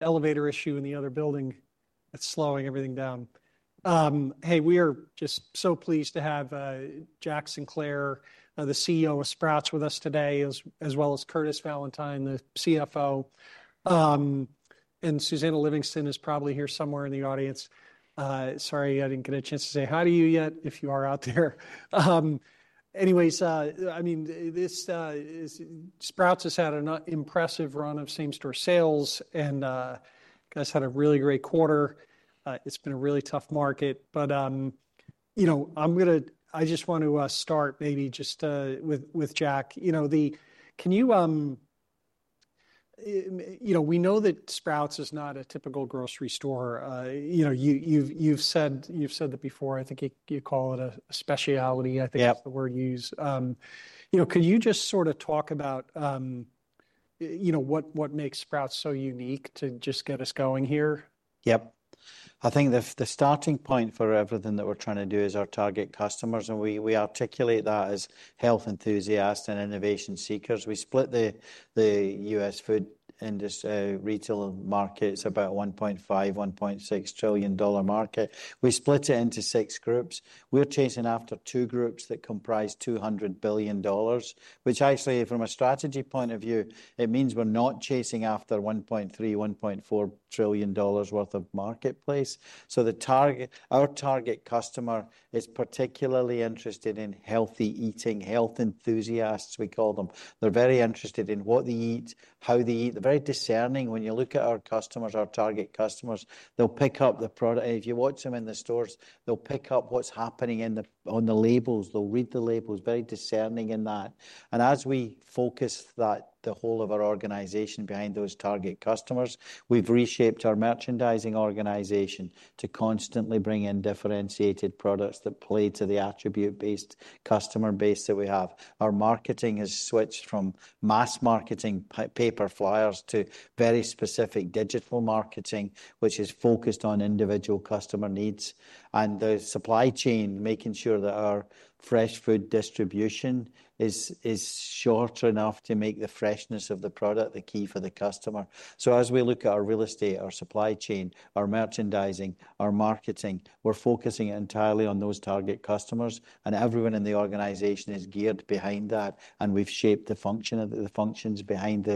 Hey, we are just so pleased to have Jack Sinclair, the CEO of Sprouts with us today, as well as Curtis Valentine, the CFO. And Susannah Livingston is probably here somewhere in the audience. Sorry, I didn't get a chance to say hi to you yet, if you are out there. Anyways, I mean, this is, Sprouts has had an impressive run of same-store sales, and you guys had a really great quarter. It's been a really tough market, but, you know, I'm gonna—I just want to start maybe just with Jack. You know, we know that Sprouts is not a typical grocery store. You know, you've said—you've said that before. I think you call it a specialty. I think it's the word you use. you know, could you just sort of talk about, you know, what what makes Sprouts so unique to just get us going here? Yep. I think the starting point for everything that we're trying to do is our target customers, and we articulate that as health enthusiasts and innovation seekers. We split the U.S. food industry retail market. It's about a $1.5 trillion, $1.6 trillion market. We split it into six groups. We're chasing after two groups that comprise $200 billion, which actually, from a strategy point of view, it means we're not chasing after $1.3 trillion, $1.4 trillion worth of marketplace. The target—our target customer is particularly interested in healthy eating, health enthusiasts, we call them. They're very interested in what they eat, how they eat. They're very discerning. When you look at our customers, our target customers, they'll pick up the product. And if you watch them in the stores, they'll pick up what's happening in the—on the labels. They'll read the labels, very discerning in that. As we focus the whole of our organization behind those target customers, we've reshaped our merchandising organization to constantly bring in differentiated products that play to the attribute-based customer base that we have. Our marketing has switched from mass marketing paper flyers to very specific digital marketing, which is focused on individual customer needs. The supply chain, making sure that our fresh food distribution is short enough to make the freshness of the product the key for the customer. As we look at our real estate, our supply chain, our merchandising, our marketing, we're focusing entirely on those target customers, and everyone in the organization is geared behind that. We've shaped the function of the functions behind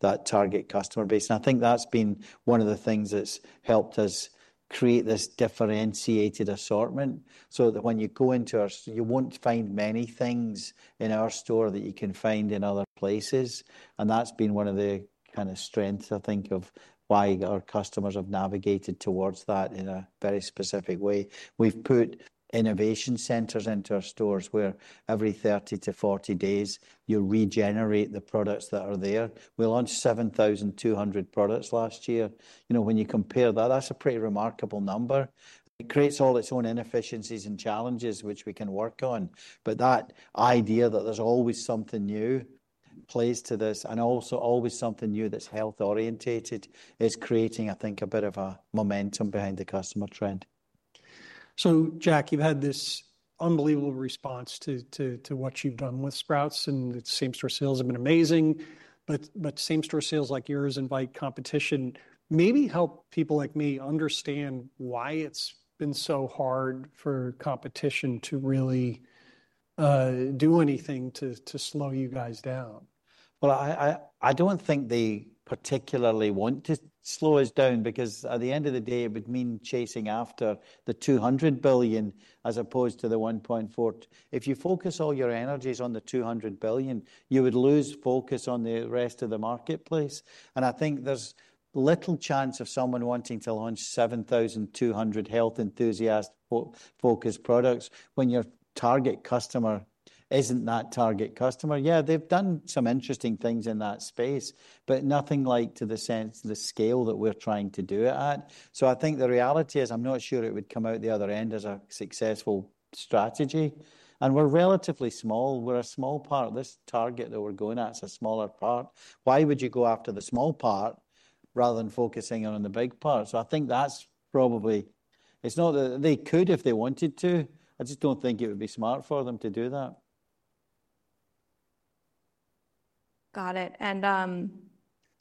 that target customer base. I think that's been one of the things that's helped us create this differentiated assortment so that when you go into our store, you won't find many things in our store that you can find in other places. That's been one of the kind of strengths, I think, of why our customers have navigated towards that in a very specific way. We've put innovation centers into our stores where every 30 to 40 days, you regenerate the products that are there. We launched 7,200 products last year. You know, when you compare that, that's a pretty remarkable number. It creates all its own inefficiencies and challenges, which we can work on. That idea that there's always something new plays to this, and also always something new that's health-orientated, is creating, I think, a bit of a momentum behind the customer trend. Jack, you've had this unbelievable response to what you've done with Sprouts, and the same-store sales have been amazing. Same-store sales like yours invite competition. Maybe help people like me understand why it's been so hard for competition to really do anything to slow you guys down. I don't think they particularly want to slow us down, because at the end of the day, it would mean chasing after the $200 billion as opposed to the $1.4 trillion. If you focus all your energies on the $200 billion, you would lose focus on the rest of the marketplace. I think there's little chance of someone wanting to launch 7,200 health enthusiast-focused products when your target customer isn't that target customer. Yeah, they've done some interesting things in that space, but nothing like to the sense of the scale that we're trying to do it at. I think the reality is I'm not sure it would come out the other end as a successful strategy. We're relatively small. We're a small part. This target that we're going at is a smaller part. Why would you go after the small part rather than focusing on the big part? I think that's probably—it is not that they could if they wanted to. I just do not think it would be smart for them to do that. Got it.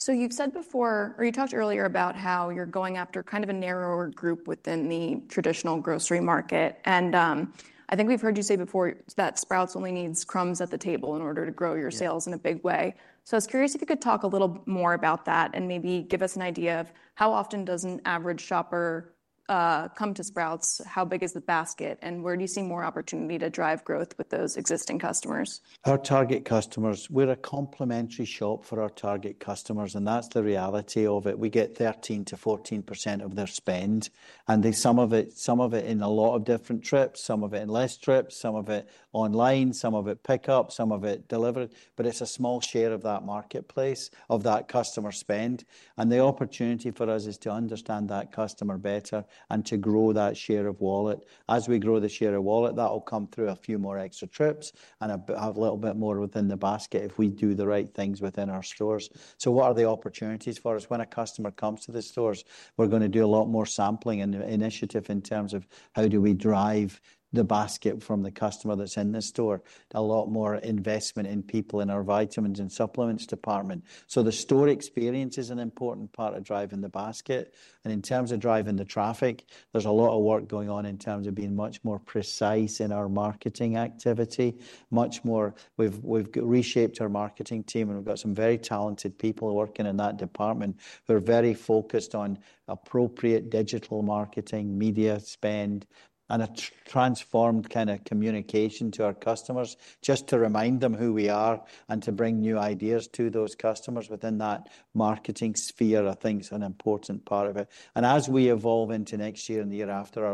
You said before or you talked earlier about how you're going after kind of a narrower group within the traditional grocery market. I think we've heard you say before that Sprouts only needs crumbs at the table in order to grow your sales in a big way. I was curious if you could talk a little more about that and maybe give us an idea of how often does an average shopper come to Sprouts. How big is the basket? Where do you see more opportunity to drive growth with those existing customers? Our target customers, we're a complimentary shop for our target customers, and that's the reality of it. We get 13%-14% of their spend, and they—some of it, some of it in a lot of different trips, some of it in less trips, some of it online, some of it pickup, some of it delivered. But it's a small share of that marketplace, of that customer spend. The opportunity for us is to understand that customer better and to grow that share of wallet. As we grow the share of wallet, that'll come through a few more extra trips and have a little bit more within the basket if we do the right things within our stores. What are the opportunities for us? When a customer comes to the stores, we're going to do a lot more sampling and initiative in terms of how do we drive the basket from the customer that's in the store. A lot more investment in people in our vitamins and supplements department. The store experience is an important part of driving the basket. In terms of driving the traffic, there's a lot of work going on in terms of being much more precise in our marketing activity, much more. We've reshaped our marketing team, and we've got some very talented people working in that department who are very focused on appropriate digital marketing, media spend, and a transformed kind of communication to our customers, just to remind them who we are and to bring new ideas to those customers within that marketing sphere. I think it's an important part of it. As we evolve into next year and the year after, our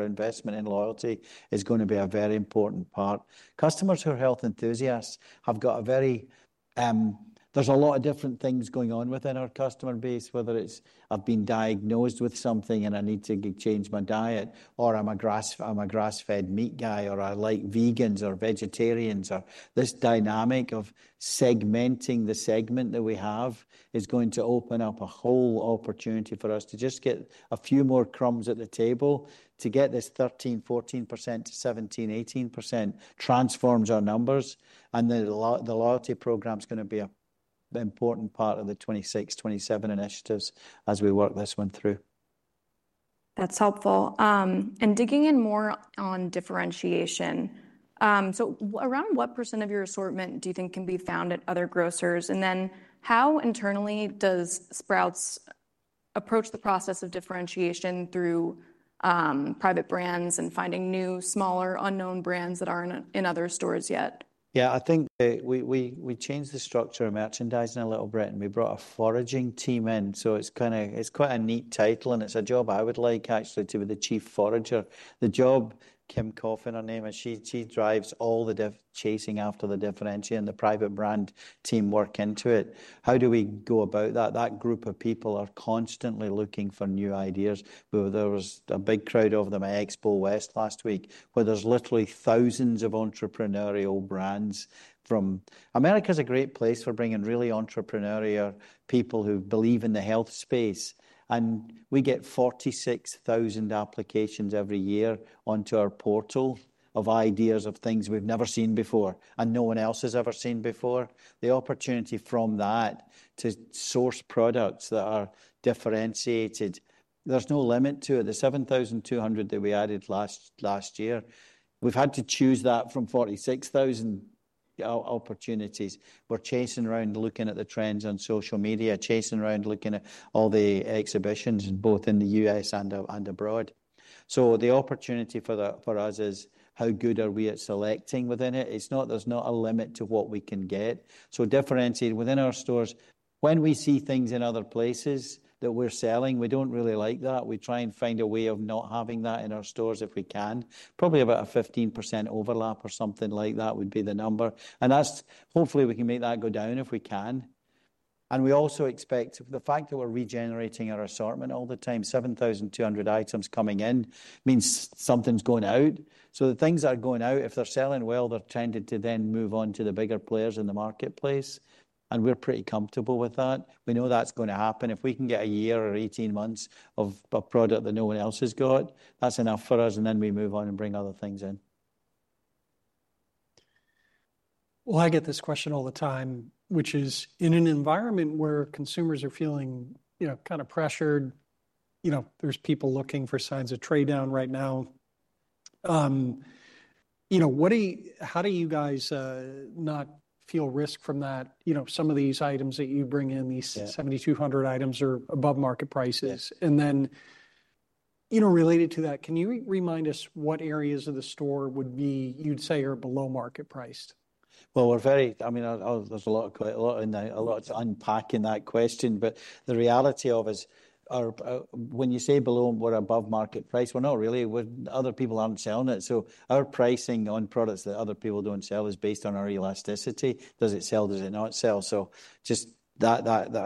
investment in loyalty is going to be a very important part. Customers who are health enthusiasts have got a very, there's a lot of different things going on within our customer base, whether it's I've been diagnosed with something and I need to change my diet, or I'm a grass-fed meat guy, or I like vegans or vegetarians. This dynamic of segmenting the segment that we have is going to open up a whole opportunity for us to just get a few more crumbs at the table to get this 13%-14% to 17%-18% transforms our numbers. The loyalty program's going to be an important part of the 2026-2027 initiatives as we work this one through. That's helpful. Digging in more on differentiation, around what percent of your assortment do you think can be found at other grocers? Then how internally does Sprouts approach the process of differentiation through private brands and finding new, smaller, unknown brands that aren't in other stores yet? Yeah, I think that we changed the structure of merchandising a little bit, and we brought a foraging team in. It is kind of—it's quite a neat title, and it's a job I would like actually to be the chief forager. The job, Kim Coffin her name, and she drives all the chasing after the differentiator and the private brand team work into it. How do we go about that? That group of people are constantly looking for new ideas. There was a big crowd over them at Expo West last week where there's literally thousands of entrepreneurial brands from—America's a great place for bringing really entrepreneurial people who believe in the health space. We get 46,000 applications every year onto our portal of ideas of things we've never seen before and no one else has ever seen before. The opportunity from that to source products that are differentiated, there's no limit to it. The 7,200 that we added last year, we've had to choose that from 46,000 opportunities. We're chasing around looking at the trends on social media, chasing around looking at all the exhibitions both in the U.S. and abroad. The opportunity for us is how good are we at selecting within it. It's not—there's not a limit to what we can get. Differentiate within our stores. When we see things in other places that we're selling, we don't really like that. We try and find a way of not having that in our stores if we can. Probably about a 15% overlap or something like that would be the number. Hopefully we can make that go down if we can. We also expect the fact that we're regenerating our assortment all the time, 7,200 items coming in means something's going out. The things that are going out, if they're selling well, they're tended to then move on to the bigger players in the marketplace. We're pretty comfortable with that. We know that's going to happen. If we can get a year or 18 months of a product that no one else has got, that's enough for us. We move on and bring other things in. I get this question all the time, which is in an environment where consumers are feeling, you know, kind of pressured, you know, there's people looking for signs of trade down right now. You know, what do you—how do you guys not feel risk from that? You know, some of these items that you bring in, these 7,200 items are above market prices. And then, you know, related to that, can you remind us what areas of the store would be, you'd say, are below market priced? There is a lot to unpack in that question. The reality of us, when you say below, we're above market price. We're not really. Other people aren't selling it. Our pricing on products that other people don't sell is based on our elasticity. Does it sell? Does it not sell?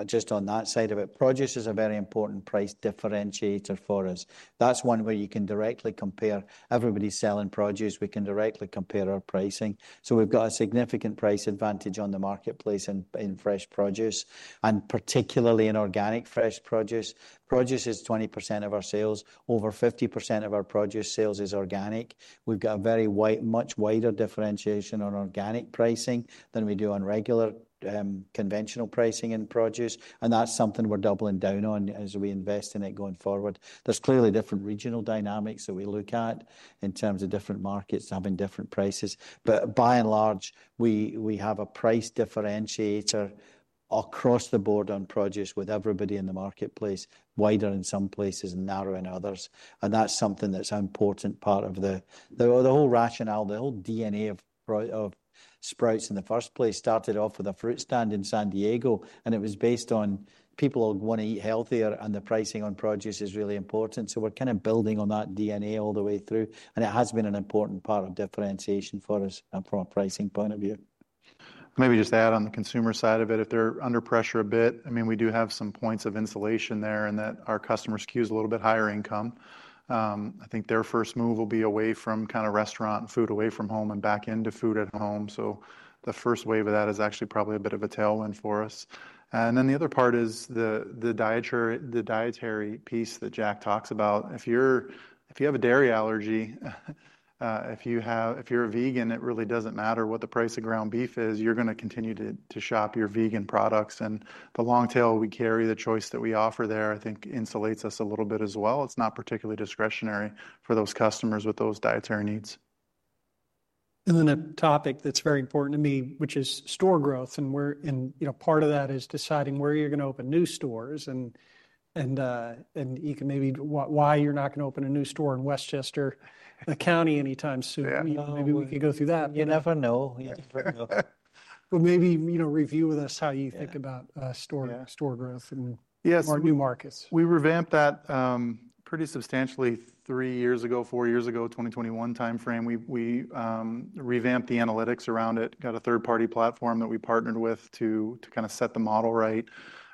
Just on that side of it. Produce is a very important price differentiator for us. That is one where you can directly compare. Everybody's selling produce. We can directly compare our pricing. We have a significant price advantage on the marketplace in fresh produce, and particularly in organic fresh produce. Produce is 20% of our sales. Over 50% of our produce sales is organic. We've got a very wide, much wider differentiation on organic pricing than we do on regular, conventional pricing in produce. That's something we're doubling down on as we invest in it going forward. There's clearly different regional dynamics that we look at in terms of different markets having different prices. By and large, we have a price differentiator across the board on produce with everybody in the marketplace, wider in some places and narrow in others. That's something that's an important part of the whole rationale, the whole DNA of Sprouts in the first place. Started off with a fruit stand in San Diego, and it was based on people are going to eat healthier, and the pricing on produce is really important. We're kind of building on that DNA all the way through. It has been an important part of differentiation for us from a pricing point of view. Maybe just add on the consumer side of it. If they're under pressure a bit, I mean, we do have some points of insulation there in that our customers' queue is a little bit higher income. I think their first move will be away from kind of restaurant and food, away from home and back into food at home. The first wave of that is actually probably a bit of a tailwind for us. The other part is the dietary piece that Jack talks about. If you have a dairy allergy, if you're a vegan, it really doesn't matter what the price of ground beef is. You're going to continue to shop your vegan products. The long tail we carry, the choice that we offer there, I think insulates us a little bit as well. It's not particularly discretionary for those customers with those dietary needs. A topic that's very important to me is store growth. We're in, you know, part of that is deciding where you're going to open new stores, and you can maybe say why you're not going to open a new store in Westchester County anytime soon. Maybe we can go through that. You never know. Maybe, you know, review with us how you think about store store growth and more new markets. We revamped that pretty substantially three years ago, four years ago, 2021 timeframe. We revamped the analytics around it, got a third-party platform that we partnered with to kind of set the model right.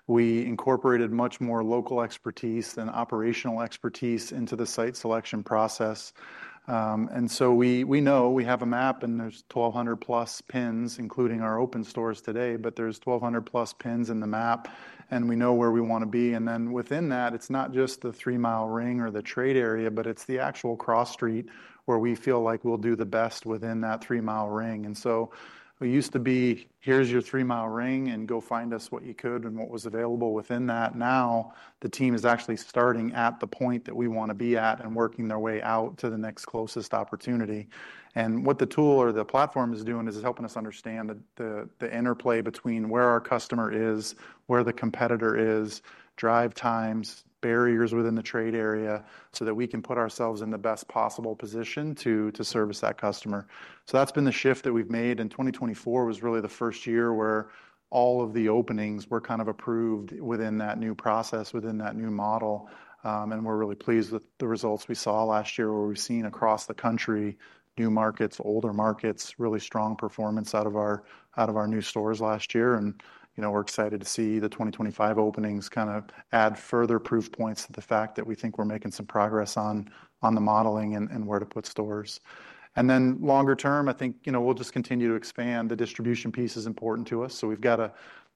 We incorporated much more local expertise than operational expertise into the site selection process. We know we have a map, and there are +1,200 pins, including our open stores today, but there are +1,200 pins in the map, and we know where we want to be. Within that, it is not just the three-mile ring or the trade area, but it is the actual cross street where we feel like we will do the best within that three-mile ring. We used to be, "Here's your three-mile ring, and go find us what you could and what was available within that." Now the team is actually starting at the point that we want to be at and working their way out to the next closest opportunity. What the tool or the platform is doing is helping us understand the interplay between where our customer is, where the competitor is, drive times, barriers within the trade area so that we can put ourselves in the best possible position to service that customer. That has been the shift that we have made. 2024 was really the first year where all of the openings were kind of approved within that new process, within that new model. We're really pleased with the results we saw last year where we've seen across the country, new markets, older markets, really strong performance out of our new stores last year. You know, we're excited to see the 2025 openings kind of add further proof points to the fact that we think we're making some progress on the modeling and where to put stores. Longer term, I think, you know, we'll just continue to expand. The distribution piece is important to us. We've got to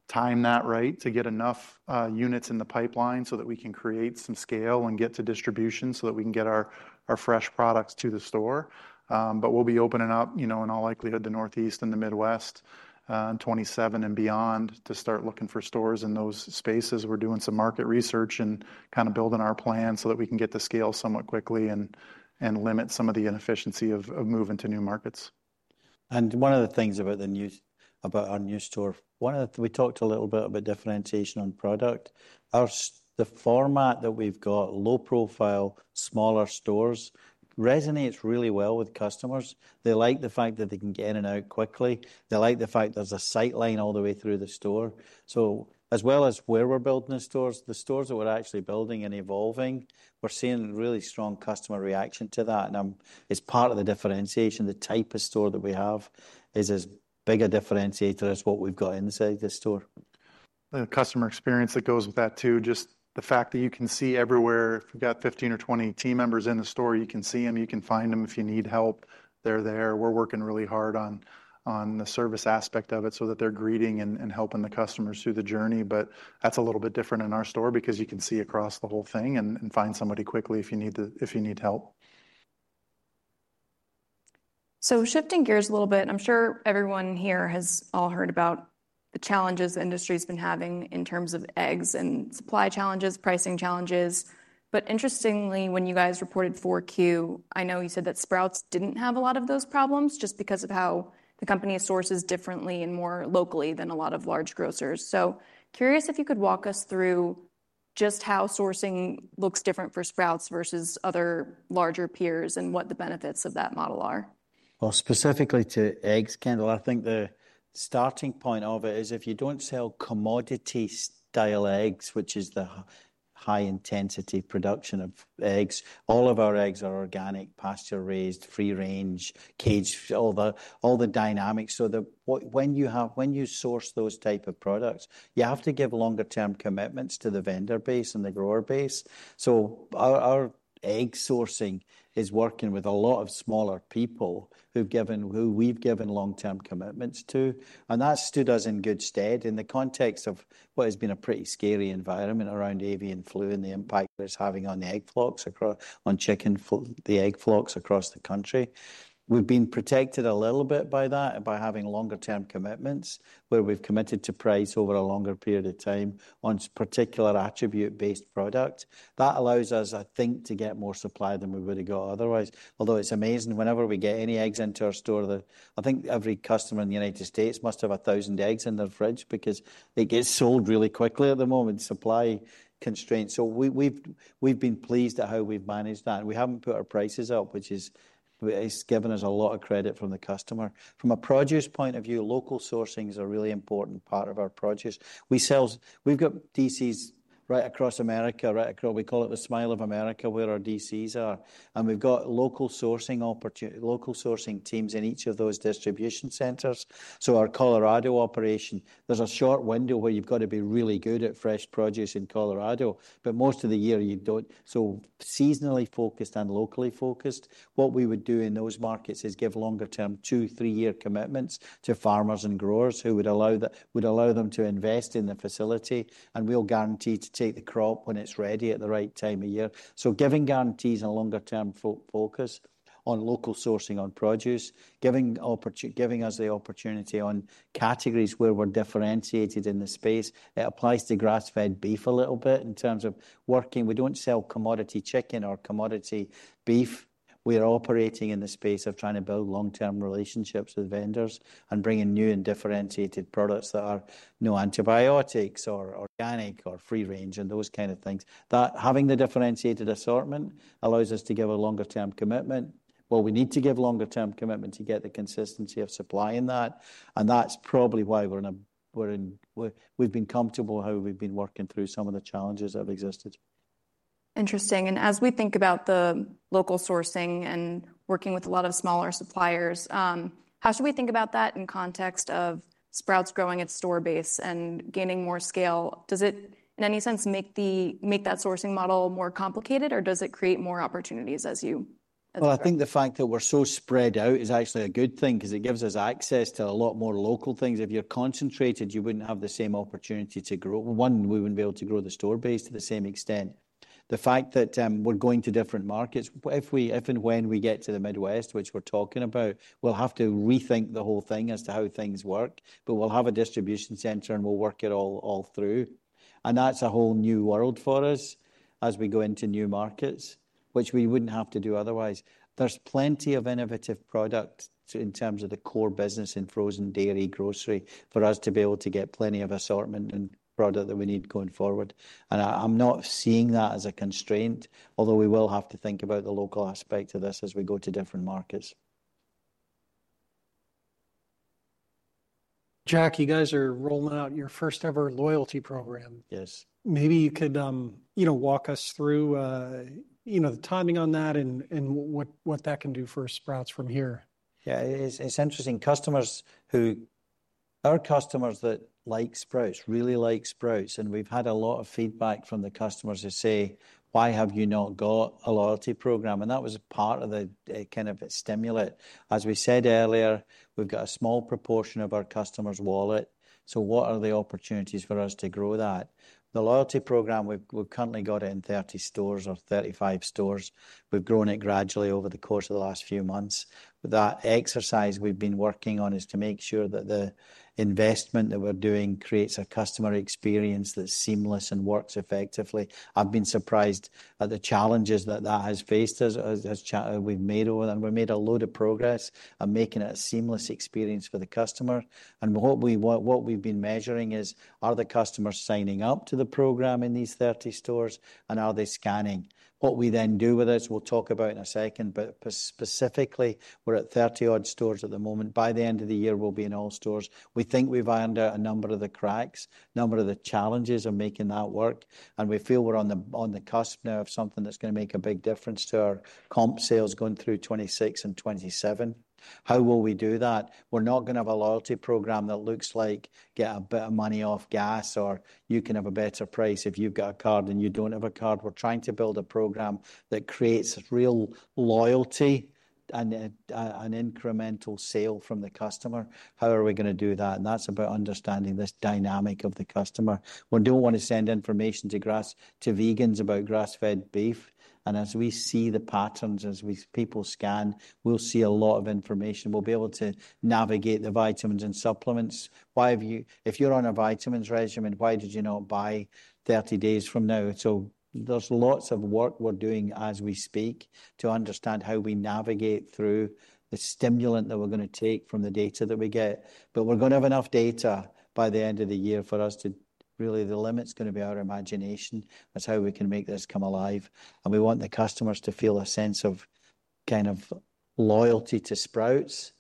time that right to get enough units in the pipeline so that we can create some scale and get to distribution so that we can get our fresh products to the store. We'll be opening up, you know, in all likelihood, the Northeast and the Midwest, in 2027 and beyond to start looking for stores in those spaces. We're doing some market research and kind of building our plan so that we can get the scale somewhat quickly and limit some of the inefficiency of moving to new markets. One of the things about our new store, we talked a little bit about differentiation on product. The format that we've got, low profile, smaller stores, resonates really well with customers. They like the fact that they can get in and out quickly. They like the fact there's a sightline all the way through the store. As well as where we're building the stores, the stores that we're actually building and evolving, we're seeing really strong customer reaction to that. It's part of the differentiation. The type of store that we have is as big a differentiator as what we've got inside the store. The customer experience that goes with that too, just the fact that you can see everywhere. If you've got 15 or 20 team members in the store, you can see them. You can find them if you need help. They're there. We're working really hard on the service aspect of it so that they're greeting and helping the customers through the journey. That's a little bit different in our store because you can see across the whole thing and find somebody quickly if you need help. Shifting gears a little bit, I'm sure everyone here has all heard about the challenges the industry has been having in terms of eggs and supply challenges, pricing challenges. Interestingly, when you guys reported 4Q, I know you said that Sprouts didn't have a lot of those problems just because of how the company sources differently and more locally than a lot of large grocers. Curious if you could walk us through just how sourcing looks different for Sprouts versus other larger peers and what the benefits of that model are. Specifically to eggs, Kendall, I think the starting point of it is if you do not sell commodity-style eggs, which is the high-intensity production of eggs, all of our eggs are organic, pasture-raised, free range, caged, all the dynamics. When you source those types of products, you have to give longer-term commitments to the vendor base and the grower base. Our egg sourcing is working with a lot of smaller people who we have given long-term commitments to. That stood us in good stead in the context of what has been a pretty scary environment around avian flu and the impact that it is having on the egg flocks across the country. We've been protected a little bit by that and by having longer-term commitments where we've committed to price over a longer period of time on particular attribute-based products. That allows us, I think, to get more supply than we would have got otherwise. Although it's amazing whenever we get any eggs into our store, I think every customer in the United States must have 1,000 eggs in their fridge because it gets sold really quickly at the moment, supply constraints. We've been pleased at how we've managed that. We haven't put our prices up, which has given us a lot of credit from the customer. From a produce point of view, local sourcing is a really important part of our produce. We've got DCs right across America, right across, we call it the smile of America where our DCs are. We have local sourcing opportunity, local sourcing teams in each of those distribution centers. Our Colorado operation, there is a short window where you have to be really good at fresh produce in Colorado, but most of the year you do not. Seasonally focused and locally focused, what we would do in those markets is give longer-term two- to three-year commitments to farmers and growers, which would allow them to invest in the facility. We will guarantee to take the crop when it is ready at the right time of year. Giving guarantees and longer-term focus on local sourcing on produce gives us the opportunity on categories where we are differentiated in the space. It applies to grass-fed beef a little bit in terms of working. We do not sell commodity chicken or commodity beef. We're operating in the space of trying to build long-term relationships with vendors and bringing new and differentiated products that are no antibiotics or organic or free range and those kind of things. That having the differentiated assortment allows us to give a longer-term commitment. We need to give longer-term commitment to get the consistency of supply in that. That's probably why we've been comfortable how we've been working through some of the challenges that have existed. Interesting. As we think about the local sourcing and working with a lot of smaller suppliers, how should we think about that in context of Sprouts growing its store base and gaining more scale? Does it, in any sense, make that sourcing model more complicated, or does it create more opportunities as well? I think the fact that we're so spread out is actually a good thing because it gives us access to a lot more local things. If you're concentrated, you wouldn't have the same opportunity to grow. One, we wouldn't be able to grow the store base to the same extent. The fact that we're going to different markets, if and when we get to the Midwest, which we're talking about, we'll have to rethink the whole thing as to how things work. We will have a distribution center, and we'll work it all through. That's a whole new world for us as we go into new markets, which we wouldn't have to do otherwise. There's plenty of innovative products in terms of the core business in frozen dairy grocery for us to be able to get plenty of assortment and product that we need going forward. I'm not seeing that as a constraint, although we will have to think about the local aspect of this as we go to different markets. Jack, you guys are rolling out your first-ever loyalty program. Yes. Maybe you could, you know, walk us through, you know, the timing on that and what that can do for Sprouts from here. Yeah, it's interesting. Customers who are customers that like Sprouts, really like Sprouts. We've had a lot of feedback from the customers who say, "Why have you not got a loyalty program?" That was a part of the kind of stimulant. As we said earlier, we've got a small proportion of our customers' wallet. What are the opportunities for us to grow that? The loyalty program, we've currently got it in 30 stores or 35 stores. We've grown it gradually over the course of the last few months. That exercise we've been working on is to make sure that the investment that we're doing creates a customer experience that's seamless and works effectively. I've been surprised at the challenges that that has faced us as we've made over them. We've made a load of progress on making it a seamless experience for the customer. What we've been measuring is, are the customers signing up to the program in these 30 stores? Are they scanning? What we then do with this, we'll talk about in a second, but specifically, we're at 30-odd stores at the moment. By the end of the year, we'll be in all stores. We think we've ironed out a number of the cracks, a number of the challenges of making that work. We feel we're on the cusp now of something that's going to make a big difference to our comp sales going through 2026 and 2027. How will we do that? We're not going to have a loyalty program that looks like get a bit of money off gas or you can have a better price if you've got a card and you don't have a card. We're trying to build a program that creates real loyalty and an incremental sale from the customer. How are we going to do that? That's about understanding this dynamic of the customer. We don't want to send information to vegans about grass-fed beef. As we see the patterns, as people scan, we'll see a lot of information. We'll be able to navigate the vitamins and supplements. If you're on a vitamins regimen, why did you not buy 30 days from now? There's lots of work we're doing as we speak to understand how we navigate through the stimulant that we're going to take from the data that we get. We're going to have enough data by the end of the year for us to really—the limit's going to be our imagination as to how we can make this come alive. We want the customers to feel a sense of kind of loyalty to Sprouts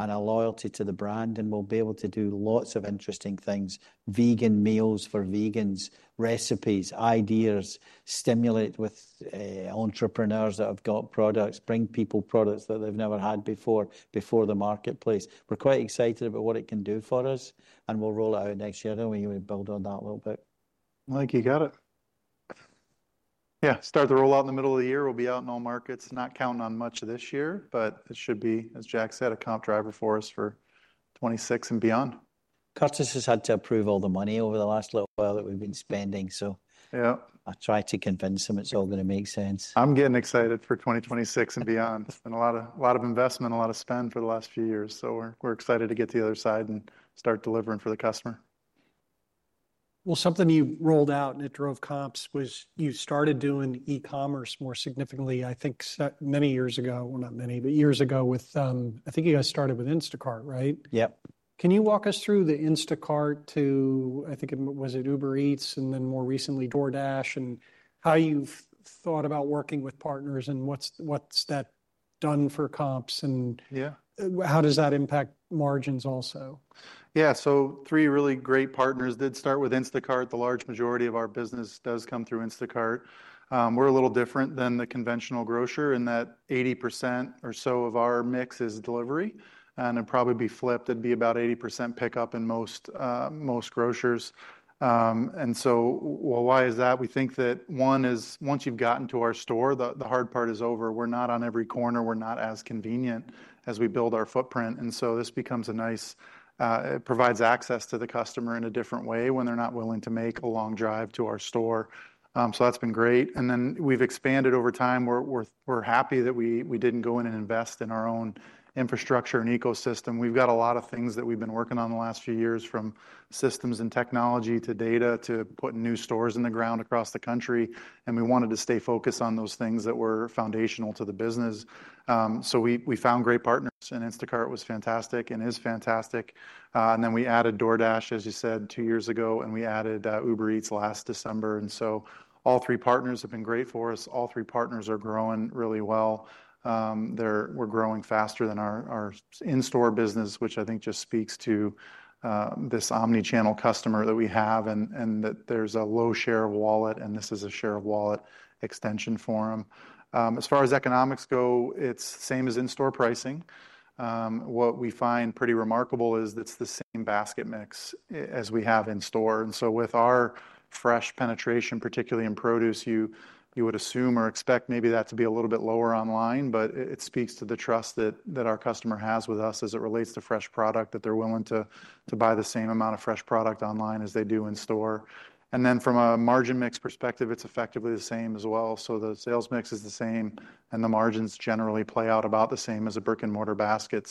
and a loyalty to the brand. We'll be able to do lots of interesting things, vegan meals for vegans, recipes, ideas, stimulate with entrepreneurs that have got products, bring people products that they've never had before before the marketplace. We're quite excited about what it can do for us. We'll roll it out next year. I don't know where you want to build on that a little bit. I think you got it. Yeah, start the rollout in the middle of the year. We'll be out in all markets, not counting on much of this year, but it should be, as Jack said, a comp driver for us for 2026 and beyond. Curtis has had to approve all the money over the last little while that we've been spending. Yeah. I tried to convince him it's all going to make sense. I'm getting excited for 2026 and beyond. It's been a lot of investment, a lot of spend for the last few years. We're excited to get to the other side and start delivering for the customer. Something you rolled out and it drove comps was you started doing e-commerce more significantly, I think, many years ago, well, not many, but years ago with I think you guys started with Instacart, right? Yep. Can you walk us through the Instacart to, I think it was at Uber Eats and then more recently DoorDash and how you've thought about working with partners and what's that done for comps and how does that impact margins also? Yeah, so three really great partners did start with Instacart. The large majority of our business does come through Instacart. We're a little different than the conventional grocer in that 80% or so of our mix is delivery. It'd probably be flipped. It'd be about 80% pickup in most grocers. Why is that? We think that one is once you've gotten to our store, the hard part is over. We're not on every corner. We're not as convenient as we build our footprint. This becomes a nice, it provides access to the customer in a different way when they're not willing to make a long drive to our store. That's been great. We've expanded over time. We're happy that we didn't go in and invest in our own infrastructure and ecosystem. We've got a lot of things that we've been working on the last few years from systems and technology to data to putting new stores in the ground across the country. We wanted to stay focused on those things that were foundational to the business. We found great partners, and Instacart was fantastic and is fantastic. We added DoorDash, as you said, two years ago, and we added Uber Eats last December. All three partners have been great for us. All three partners are growing really well. They're growing faster than our in-store business, which I think just speaks to this omnichannel customer that we have and that there's a low share of wallet, and this is a share of wallet extension for them. As far as economics go, it's same as in-store pricing. What we find pretty remarkable is that it's the same basket mix as we have in store. With our fresh penetration, particularly in produce, you would assume or expect maybe that to be a little bit lower online, but it speaks to the trust that our customer has with us as it relates to fresh product that they're willing to buy the same amount of fresh product online as they do in store. From a margin mix perspective, it's effectively the same as well. The sales mix is the same, and the margins generally play out about the same as a brick-and-mortar basket.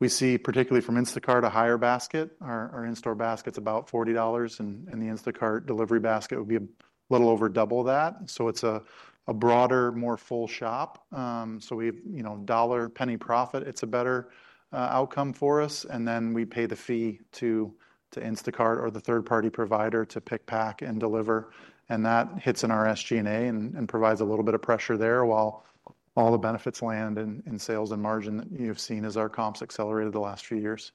We see, particularly from Instacart, a higher basket. Our in-store basket's about $40, and the Instacart delivery basket would be a little over double that. It's a broader, more full shop. We've, you know, dollar penny profit, it's a better outcome for us. Then we pay the fee to Instacart or the third-party provider to pick, pack, and deliver. That hits in our SG&A and provides a little bit of pressure there while all the benefits land in sales and margin that you've seen as our comps accelerated the last few years.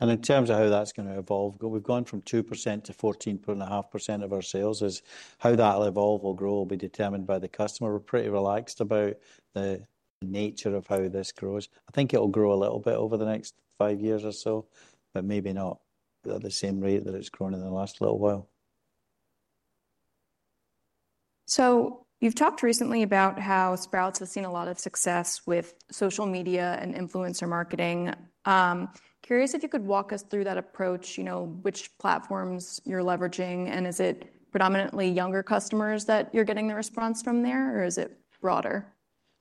In terms of how that's going to evolve, we've gone from 2% to 14.5% of our sales. How that'll evolve or grow will be determined by the customer. We're pretty relaxed about the nature of how this grows. I think it'll grow a little bit over the next five years or so, but maybe not at the same rate that it's grown in the last little while. You've talked recently about how Sprouts has seen a lot of success with social media and influencer marketing. Curious if you could walk us through that approach, you know, which platforms you're leveraging, and is it predominantly younger customers that you're getting the response from there, or is it broader?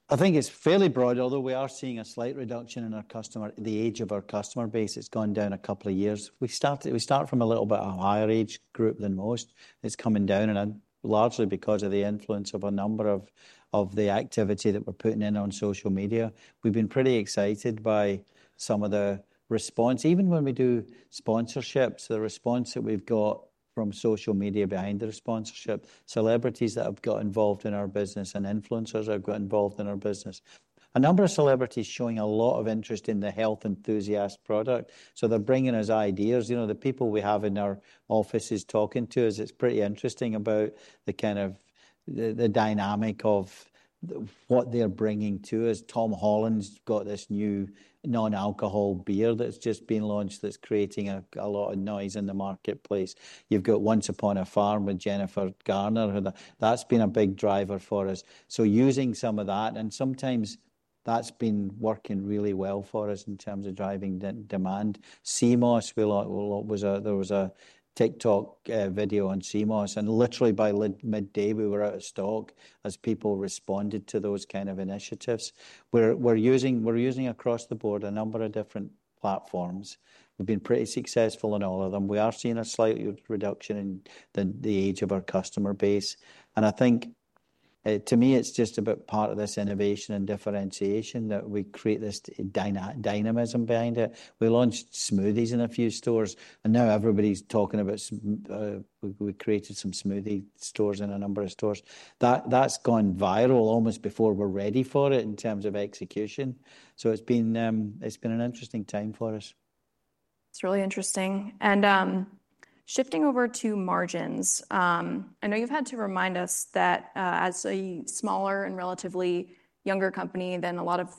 I think it's fairly broad, although we are seeing a slight reduction in our customer, the age of our customer base. It's gone down a couple of years. We start from a little bit of a higher age group than most. It's coming down, and largely because of the influence of a number of the activity that we're putting in on social media. We've been pretty excited by some of the response, even when we do sponsorships, the response that we've got from social media behind the sponsorship, celebrities that have got involved in our business, and influencers that have got involved in our business. A number of celebrities showing a lot of interest in the health enthusiast product. They are bringing us ideas. You know, the people we have in our offices talking to us, it's pretty interesting about the kind of the dynamic of what they're bringing to us. Tom Holland's got this new non-alcoholic beer that's just been launched that's creating a lot of noise in the marketplace. You've got Once Upon a Farm with Jennifer Garner, that's been a big driver for us. Using some of that, and sometimes that's been working really well for us in terms of driving demand. Sea moss, there was a TikTok video on sea moss, and literally by Mid Day, we were out of stock as people responded to those kind of initiatives. We're using across the board a number of different platforms. We've been pretty successful in all of them. We are seeing a slight reduction in the age of our customer base. To me, it's just a big part of this innovation and differentiation that we create this dynamism behind it. We launched smoothies in a few stores, and now everybody's talking about we created some smoothie stores in a number of stores. That's gone viral almost before we're ready for it in terms of execution. It's been an interesting time for us. It's really interesting. Shifting over to margins, I know you've had to remind us that as a smaller and relatively younger company than a lot of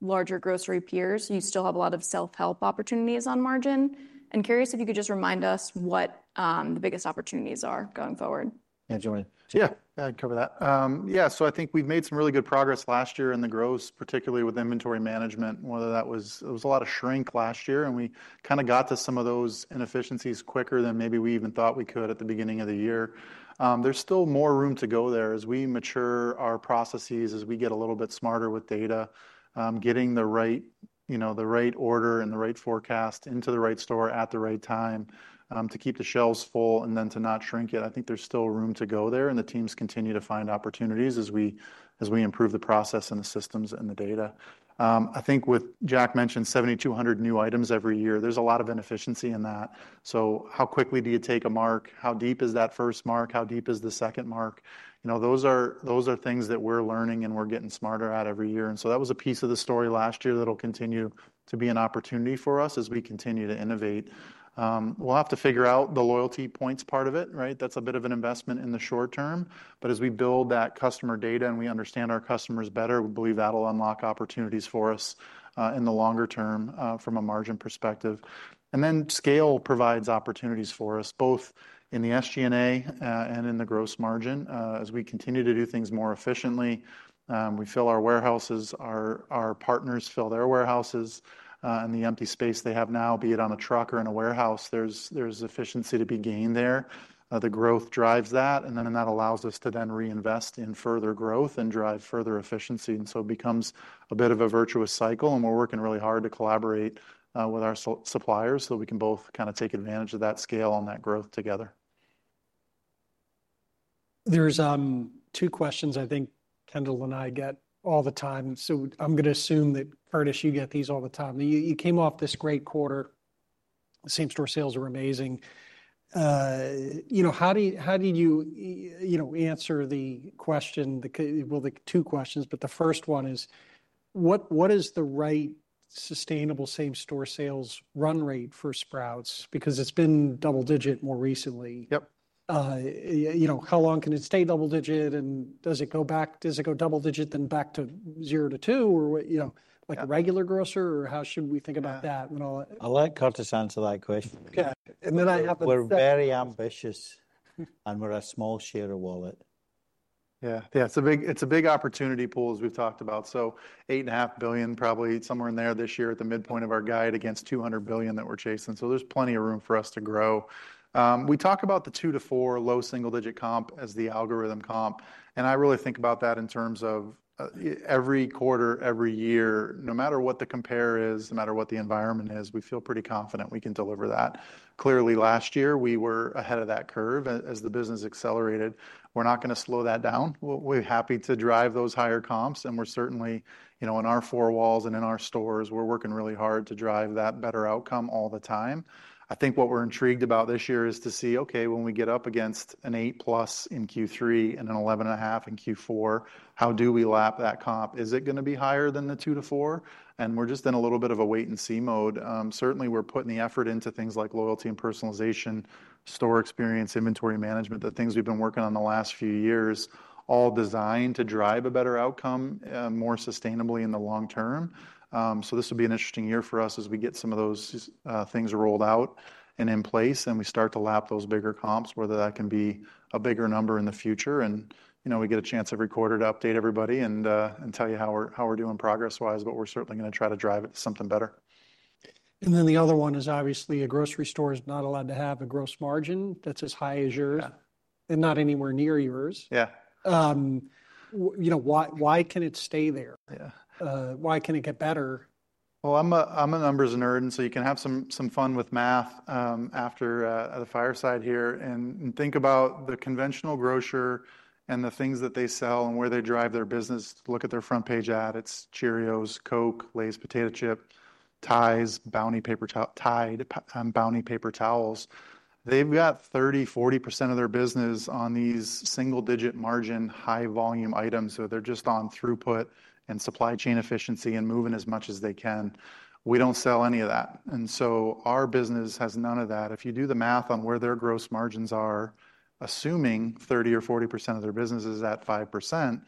larger grocery peers, you still have a lot of self-help opportunities on margin. I'm curious if you could just remind us what the biggest opportunities are going forward. Yeah, joining. Yeah, I'd cover that. Yeah, I think we've made some really good progress last year in the gross, particularly with inventory management, whether that was a lot of shrink last year, and we kind of got to some of those inefficiencies quicker than maybe we even thought we could at the beginning of the year. There's still more room to go there as we mature our processes, as we get a little bit smarter with data, getting the right, you know, the right order and the right forecast into the right store at the right time to keep the shelves full and then to not shrink it. I think there's still room to go there, and the teams continue to find opportunities as we improve the process and the systems and the data. I think with Jack mentioned 7,200 new items every year, there's a lot of inefficiency in that. So how quickly do you take a mark? How deep is that first mark? How deep is the second mark? You know, those are things that we're learning and we're getting smarter at every year. And so that was a piece of the story last year that'll continue to be an opportunity for us as we continue to innovate. We'll have to figure out the loyalty points part of it, right? That's a bit of an investment in the short term. But as we build that customer data and we understand our customers better, we believe that'll unlock opportunities for us in the longer term from a margin perspective. And then scale provides opportunities for us both in the SG&A and in the gross margin. As we continue to do things more efficiently, we fill our warehouses, our partners fill their warehouses, and the empty space they have now, be it on a truck or in a warehouse, there is efficiency to be gained there. The growth drives that, and that allows us to then reinvest in further growth and drive further efficiency. It becomes a bit of a virtuous cycle, and we are working really hard to collaborate with our suppliers so we can both kind of take advantage of that scale on that growth together. There's two questions I think Kendall and I get all the time. I am going to assume that, Curtis, you get these all the time. You came off this great quarter. Same-store sales are amazing. You know, how did you, you know, answer the question, the two questions, but the first one is, what is the right sustainable same-store sales run rate for Sprouts? Because it has been double-digit more recently. Yep. You know, how long can it stay double-digit, and does it go back, does it go double-digit then back to zero to two, or what, you know, like a regular grocer, or how should we think about that and all that? I'll let Curtis answer that question. Okay. Then I have-- We're very ambitious, and we're a small share of wallet. Yeah, it's a big opportunity pool as we've talked about. $8.5 billion, probably somewhere in there this year at the midpoint of our guide against $200 billion that we're chasing. There's plenty of room for us to grow. We talk about the two to four low single-digit comp as the algorithm comp. I really think about that in terms of every quarter, every year, no matter what the compare is, no matter what the environment is, we feel pretty confident we can deliver that. Clearly, last year we were ahead of that curve as the business accelerated. We're not going to slow that down. We're happy to drive those higher comps, and we're certainly, you know, in our four walls and in our stores, we're working really hard to drive that better outcome all the time. I think what we're intrigued about this year is to see, okay, when we get up against an +8% in Q3 and an 11.5% in Q4, how do we lap that comp? Is it going to be higher than the 2%-4%? We're just in a little bit of a wait-and-see mode. Certainly, we're putting the effort into things like loyalty and personalization, store experience, inventory management, the things we've been working on the last few years, all designed to drive a better outcome more sustainably in the long term. This will be an interesting year for us as we get some of those things rolled out and in place and we start to lap those bigger comps, whether that can be a bigger number in the future. You know, we get a chance every quarter to update everybody and tell you how we're doing progress-wise, but we're certainly going to try to drive it to something better. The other one is obviously a grocery store is not allowed to have a gross margin that's as high as yours and not anywhere near yours. Yeah. You know, why can it stay there? Yeah. Why can it get better? I'm a numbers nerd, and you can have some fun with math after the fireside here and think about the conventional grocer and the things that they sell and where they drive their business. Look at their front page ad. It's Cheerios, Coke, Lay's potato chip, Tide, Bounty Paper Towels, they've got 30%-40% of their business on these single-digit margin, high-volume items. They're just on throughput and supply chain efficiency and moving as much as they can. We don't sell any of that. Our business has none of that. If you do the math on where their gross margins are, assuming 30%-40% of their business is at 5%,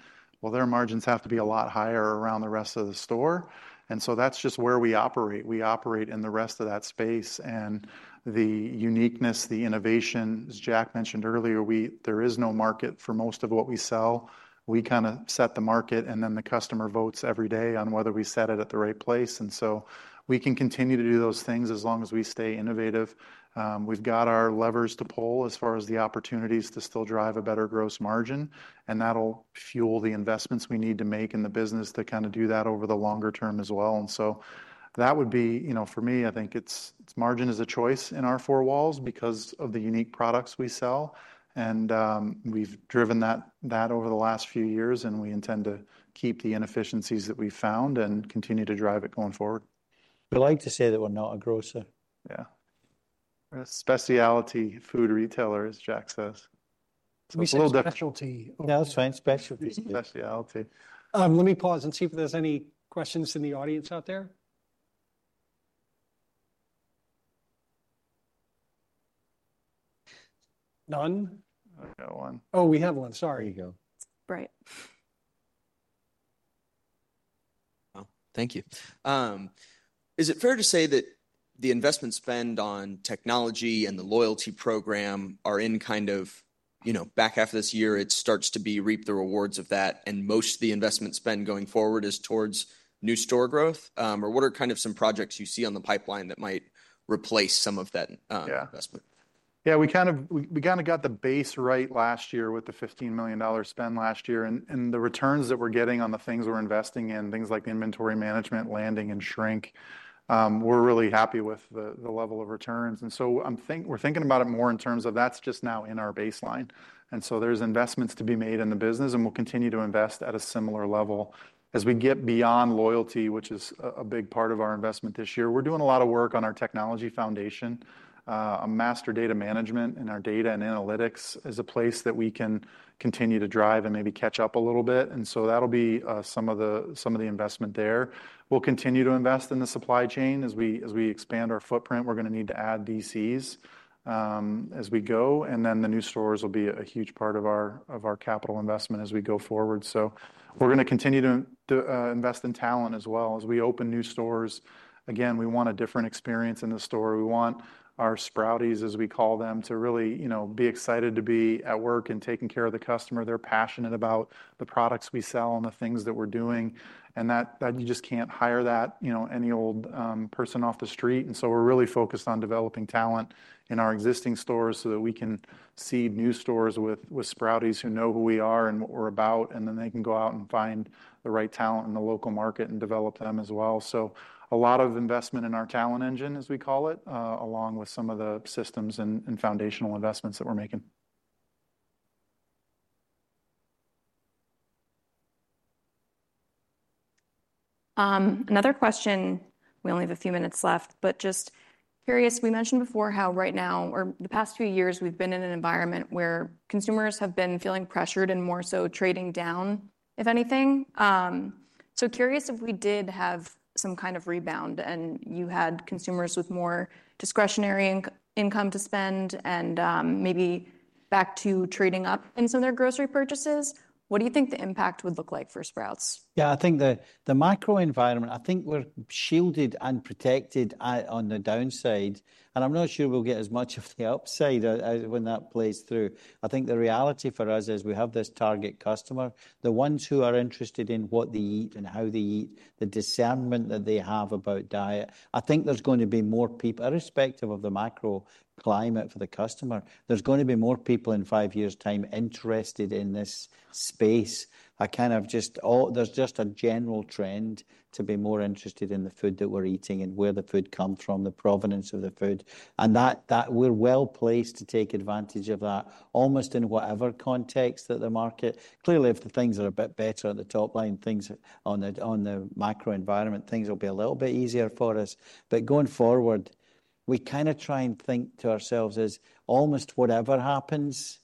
their margins have to be a lot higher around the rest of the store. That's just where we operate. We operate in the rest of that space and the uniqueness, the innovation. As Jack mentioned earlier, there is no market for most of what we sell. We kind of set the market, and then the customer votes every day on whether we set it at the right place. We can continue to do those things as long as we stay innovative. We've got our levers to pull as far as the opportunities to still drive a better gross margin, and that'll fuel the investments we need to make in the business to kind of do that over the longer term as well. That would be, you know, for me, I think margin is a choice in our four walls because of the unique products we sell. We have driven that over the last few years, and we intend to keep the inefficiencies that we have found and continue to drive it going forward. We like to say that we're not a grocer. Yeah. Specialty food retailer, as Jack says. Specialty. No, that's fine. Specialty. Specialty. Let me pause and see if there's any questions in the audience out there. None? I got one. Oh, we have one. Sorry. There you go. Right. Thank you. Is it fair to say that the investment spend on technology and the loyalty program are in kind of, you know, back after this year, it starts to be reap the rewards of that, and most of the investment spend going forward is towards new store growth? Or what are kind of some projects you see on the pipeline that might replace some of that investment? Yeah, we kind of got the base right last year with the $15 million spend last year. The returns that we're getting on the things we're investing in, things like the inventory management, landing, and shrink, we're really happy with the level of returns. I'm thinking about it more in terms of that's just now in our baseline. There's investments to be made in the business, and we'll continue to invest at a similar level. As we get beyond loyalty, which is a big part of our investment this year, we're doing a lot of work on our technology foundation. Master data management and our data and analytics is a place that we can continue to drive and maybe catch up a little bit. That'll be some of the investment there. We'll continue to invest in the supply chain as we expand our footprint. We're going to need to add DCs as we go. The new stores will be a huge part of our capital investment as we go forward. We're going to continue to invest in talent as well as we open new stores. Again, we want a different experience in the store. We want our Sprouties, as we call them, to really, you know, be excited to be at work and taking care of the customer. They're passionate about the products we sell and the things that we're doing. You just can't hire that, you know, any old person off the street. We're really focused on developing talent in our existing stores so that we can seed new stores with Sprouties who know who we are and what we're about. They can go out and find the right talent in the local market and develop them as well. A lot of investment in our talent engine, as we call it, along with some of the systems and foundational investments that we're making. Another question. We only have a few minutes left, but just curious. We mentioned before how right now, or the past few years, we've been in an environment where consumers have been feeling pressured and more so trading down, if anything. Curious if we did have some kind of rebound and you had consumers with more discretionary income to spend and maybe back to trading up in some of their grocery purchases. What do you think the impact would look like for Sprouts? Yeah, I think the micro environment, I think we're shielded and protected on the downside. I'm not sure we'll get as much of the upside when that plays through. I think the reality for us is we have this target customer, the ones who are interested in what they eat and how they eat, the discernment that they have about diet. I think there's going to be more people, irrespective of the macro climate for the customer, there's going to be more people in five years' time interested in this space. I kind of just, there's just a general trend to be more interested in the food that we're eating and where the food comes from, the provenance of the food. We are well placed to take advantage of that almost in whatever context that the market, clearly if things are a bit better at the top line, things on the macro environment, things will be a little bit easier for us. Going forward, we kind of try and think to ourselves as almost whatever happens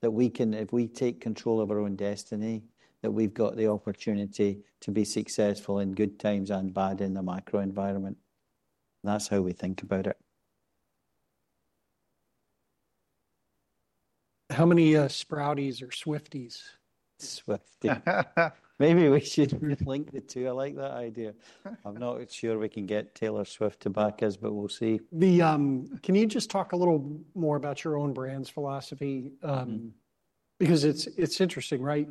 that we can, if we take control of our own destiny, that we've got the opportunity to be successful in good times and bad in the macro environment. That's how we think about it. How many Sprouties or Swifties? Swifty. Maybe we should link the two. I like that idea. I'm not sure we can get Taylor Swift to back us, but we'll see. Can you just talk a little more about your own brand's philosophy? Because it's interesting, right?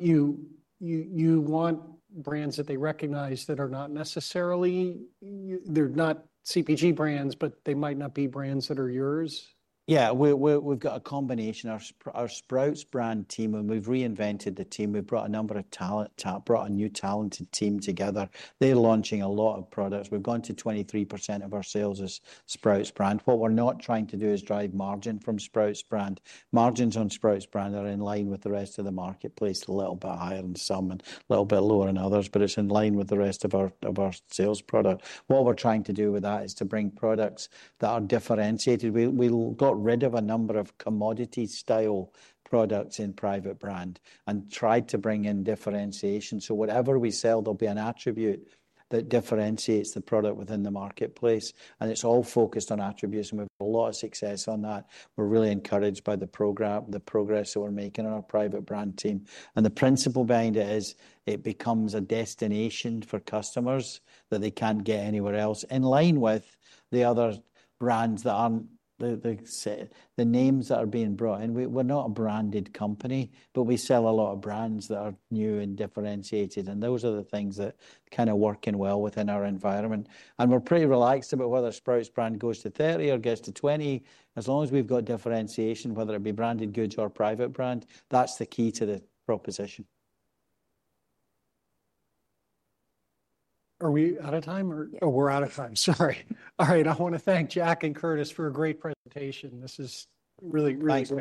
You want brands that they recognize that are not necessarily, they're not CPG brands, but they might not be brands that are yours. Yeah, we've got a combination. Our Sprouts Brand team, when we've reinvented the team, we've brought a number of talent, brought a new talented team together. They're launching a lot of products. We've gone to 23% of our sales as Sprouts Brand. What we're not trying to do is drive margin from Sprouts Brand. Margins on Sprouts Brand are in line with the rest of the marketplace, a little bit higher in some and a little bit lower in others, but it's in line with the rest of our sales product. What we're trying to do with that is to bring products that are differentiated. We've got rid of a number of commodity-style products in private brand and tried to bring in differentiation. Whatever we sell, there'll be an attribute that differentiates the product within the marketplace. It is all focused on attributes, and we have got a lot of success on that. We are really encouraged by the progress that we are making on our private brand team. The principle behind it is it becomes a destination for customers that they cannot get anywhere else, in line with the other brands that are not the names that are being brought in. We are not a branded company, but we sell a lot of brands that are new and differentiated. Those are the things that kind of work in well within our environment. We are pretty relaxed about whether Sprouts Brand goes to 30% or goes to 20%. As long as we have got differentiation, whether it be branded goods or private brand, that is the key to the proposition. Are we out of time? Oh, we're out of time. Sorry. All right. I want to thank Jack and Curtis for a great presentation. This is really, really.